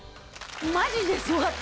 マジですごかった。